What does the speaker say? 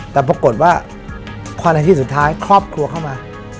แต่ปรากฏว่าพอนาทีสุดท้ายครอบครัวเข้ามา